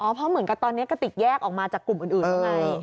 เพราะเหมือนกับตอนนี้กระติกแยกออกมาจากกลุ่มอื่นแล้วไง